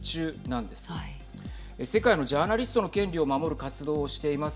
世界のジャーナリストの権利を守る活動をしています